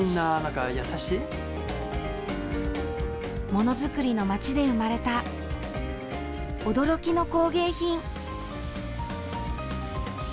ものづくりの街で生まれた驚きの工芸品。